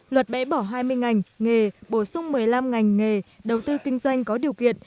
luật bãi bỏ hai mươi ngành nghề bổ sung một mươi năm ngành nghề đầu tư kinh doanh có điều kiện